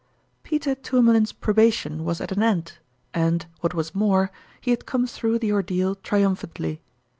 PETER TOURMALIN'S probation was at an end, and, what was more, lie had come through the ordeal triumphantly.